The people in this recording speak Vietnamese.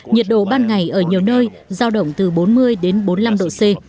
nhiệt độ ban ngày ở nhiều nơi giao động từ bốn mươi đến bốn mươi năm độ c